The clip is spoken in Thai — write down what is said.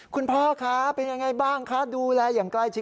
พ่อคะเป็นยังไงบ้างคะดูแลอย่างใกล้ชิด